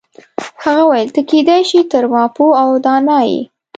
هغه وویل ته کیدای شي تر ما پوه او دانا یې.